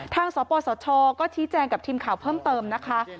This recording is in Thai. สปสชก็ชี้แจงกับทีมข่าวเพิ่มเติมนะคะ